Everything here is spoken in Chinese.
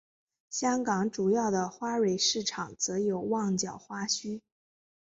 香港主要的花卉市场则有旺角花墟。